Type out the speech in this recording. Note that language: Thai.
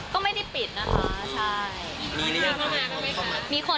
ก็ไม่ได้ปิดนะคะใช่